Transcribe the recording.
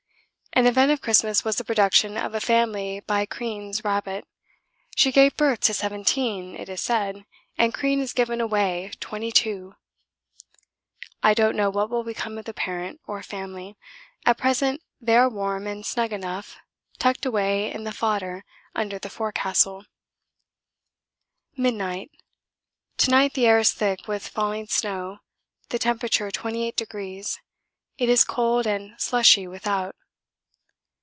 An event of Christmas was the production of a family by Crean's rabbit. She gave birth to 17, it is said, and Crean has given away 22! I don't know what will become of the parent or family; at present they are warm and snug enough, tucked away in the fodder under the forecastle. Midnight. To night the air is thick with falling snow; the temperature 28°. It is cold and slushy without.